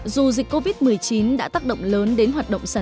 dù dịch covid một mươi chín đã tác động lớn đến hoạt động sản